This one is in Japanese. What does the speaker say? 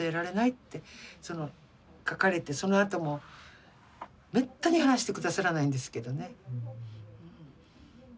その書かれてそのあともめったに話してくださらないんですけどね。